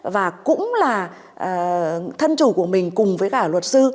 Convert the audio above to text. và cũng là thân chủ của mình cùng với cả luật sư